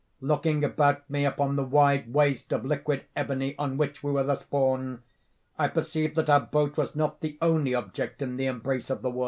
"Looking about me upon the wide waste of liquid ebony on which we were thus borne, I perceived that our boat was not the only object in the embrace of the whirl.